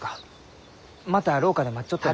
また廊下で待っちょっても。